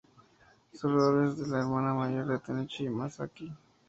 Su rol es de la hermana mayor de Tenchi Masaki.